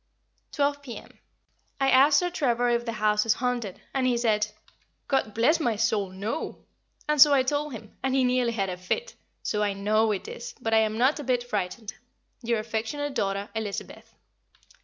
Twelve p.m. I asked Sir Trevor if the house is haunted, and he said, "God bless my soul, no!" and so I told him, and he nearly had a fit; so I know it is, but I am not a bit frightened. Your affectionate daughter, Elizabeth.